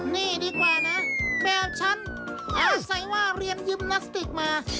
นี่ดีกว่านะแบบฉันเอาใส่ว่าเรียนยิมนาสติกมา